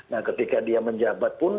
nah ketika dia menjabat pun